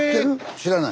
知らない？